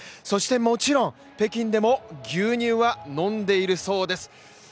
そしてもちろん、北京でも牛乳は飲んでいるそうです。